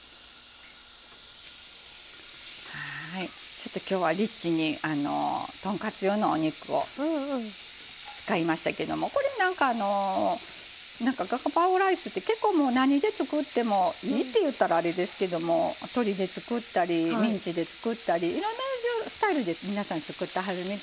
ちょっと今日はリッチに豚カツ用のお肉を使いましたけどもこれなんかガパオライスって結構何で作ってもいいって言ったらあれですけども鶏で作ったりミンチで作ったりいろんなスタイルで皆さん作ってはるみたいでね